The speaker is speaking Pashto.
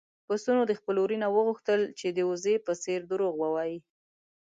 پسونو د خپل وري نه وغوښتل چې د وزې په څېر دروغ ووايي.